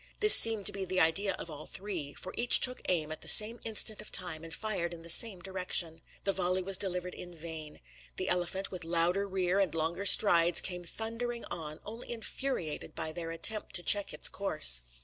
This seemed to be the idea of all three; for each took aim at the same instant of time and fired in the same direction. The volley was delivered in vain. The elephant, with louder rear and longer strides, came thundering on, only infuriated by their attempt to check its course.